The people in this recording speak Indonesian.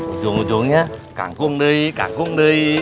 ujung ujungnya kangkung dui kangkung dui